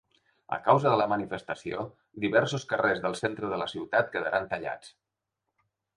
A causa de la manifestació, diversos carrers del centre de la ciutat quedaran tallats.